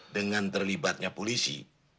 dengan terlibatnya polisi